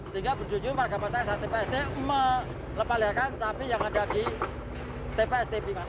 sehingga berjujur warga masyarakat tpsd melepaskan sapi yang ada di tpsd